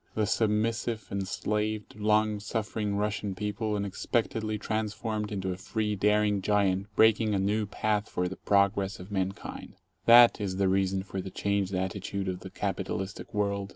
The submissive, enslaved, long suffering Russian people unexpectedly transformed into a free, daring Giant breaking a new path for the progress of mankind — that is the reason for the 15 changed attitude of the capitalistic world.